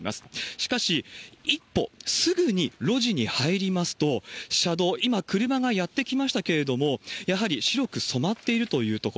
しかし、一歩、すぐに路地に入りますと、車道、今、車がやって来ましたけれども、やはり白く染まっているという所。